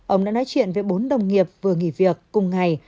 ông đã nói chuyện với bốn đồng nghiệp vừa nghỉ việc cùng ngày